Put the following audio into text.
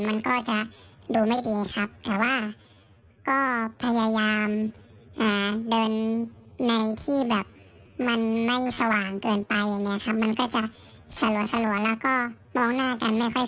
นอกจากต้องพาจันไปดูหน้าใกล้